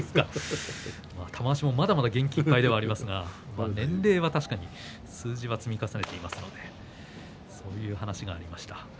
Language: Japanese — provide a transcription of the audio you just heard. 玉鷲もまだまだ元気いっぱいではありますが年齢は確かに数字は積み重ねていますのでそういう話がありました。